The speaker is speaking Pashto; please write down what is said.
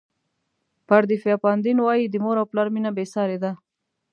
پاردیفا پاندین وایي د مور او پلار مینه بې سارې ده.